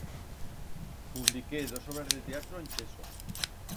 Publiqué dos obras de teatro en cheso.